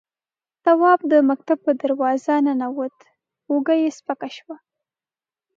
تواب د مکتب په دروازه ننوت، اوږه يې سپکه شوه.